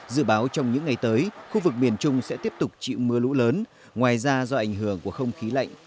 dự báo trong những ngày tới khu vực miền trung sẽ tiếp tục chịu mưa lũ lớn ngoài ra do ảnh hưởng của không khí lạnh